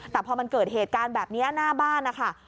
แต่พอมันเกิดเหตุการณ์แบบนี้หน้าบ้านนะคะ